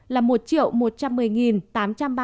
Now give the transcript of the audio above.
là một triệu một trăm một mươi tám trăm ba mươi sáu ca